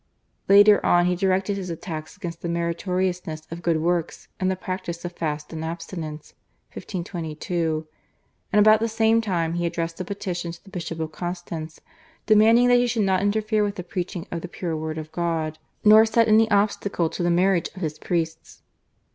Later on he directed his attacks against the meritoriousness of good works and the practice of fast and abstinence (1522), and about the same time he addressed a petition to the Bishop of Constance demanding that he should not interfere with the preaching of the pure Word of God nor set any obstacle to the marriage of his priests.